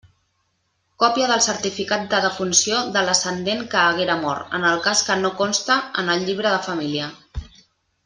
Còpia del certificat de defunció de l'ascendent que haguera mort, en el cas que no conste en el llibre de família.